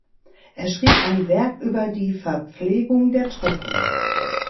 Er schrieb ein Werk über "Die Verpflegung der Truppen".